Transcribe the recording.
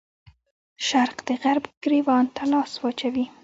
شرق د غرب ګرېوان ته لاس واچوي.